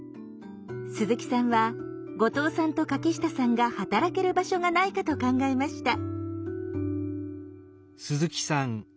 鈴木さんは後藤さんと柿下さんが働ける場所がないかと考えました。